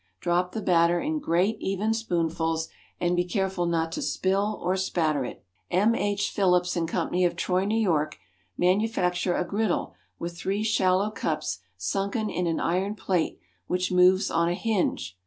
Drop the batter in great, even spoonfuls, and be careful not to spill or spatter it. M. H. PHILLIPS AND CO., of Troy, N. Y., manufacture a griddle with three shallow cups sunken in an iron plate which moves on a hinge.